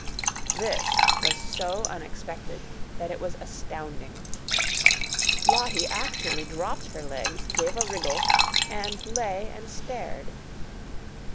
This was so unexpected that it was astounding. Lottie actually dropped her legs, gave a wriggle, and lay and stared.